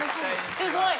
すごい。